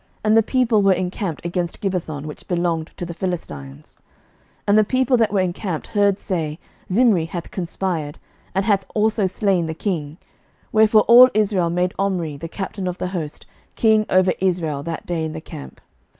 And the people were encamped against Gibbethon, which belonged to the Philistines. 11:016:016 And the people that were encamped heard say, Zimri hath conspired, and hath also slain the king: wherefore all Israel made Omri, the captain of the host, king over Israel that day in the camp.